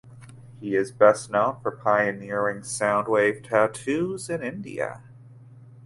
He is best known for pioneering soundwave tattoos in India.